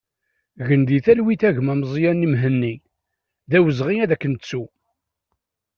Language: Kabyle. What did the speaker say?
Gen di talwit a gma Mezyani Mhenni, d awezɣi ad k-nettu!